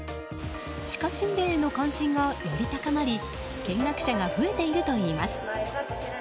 地下神殿への関心がより高まり見学者が増えているといいます。